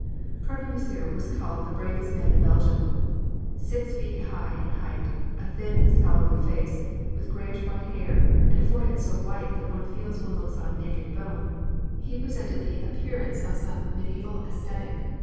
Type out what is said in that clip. Cardinal Mercier was called the bravest man in Belgium. Six feet five in height, a thin, scholarly face, with grayish white hair, and a forehead so white that one feels one looks on the naked bone, he presented the appearance of some medieval ascetic.